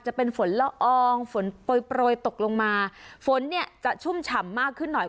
จะเป็นฝนละอองฝนโปรยโปรยตกลงมาฝนเนี่ยจะชุ่มฉ่ำมากขึ้นหน่อย